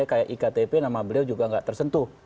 kayak iktp nama beliau juga nggak tersentuh